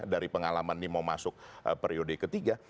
dari pengalaman ini mau masuk periode ketiga